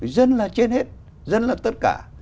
dân là trên hết dân là tất cả